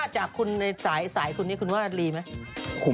แล้วคุณว่าในสายคุณนี้คุณว่ารีไหม